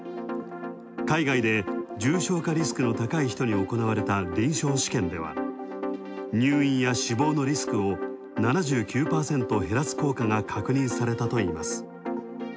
海外で重症化リスクの高い人に行われた臨床試験では、入院や死亡のリスクを７９％減らす効果が確認されたといいます。